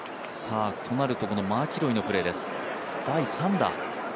となると、マキロイのプレーです、第３打。